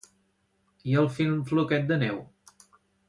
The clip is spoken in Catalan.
I al film Floquet de neu?